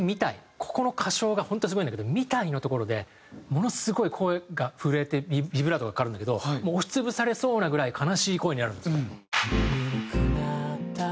ここの歌唱が本当にすごいんだけど「みたい」のところでものすごい声が震えてビブラートがかかるんだけどもう押し潰されそうなぐらい悲しい声になるんですよ。